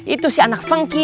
itu si anak fengki